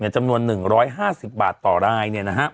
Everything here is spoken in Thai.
จำนวน๑๕๐บาทต่อราย